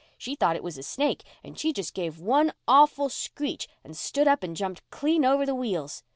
She thought it was a snake and she just give one awful screech and stood up and jumped clean over the wheels.